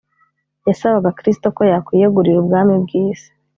yasabaga Kristo ko yakwiyegurira ubwami bw’isi